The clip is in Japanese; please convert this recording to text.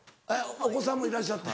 お子さんもいらっしゃって。